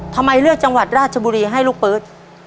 ทำไมเลือกจังหวัดราชบุรีให้ลูกปืน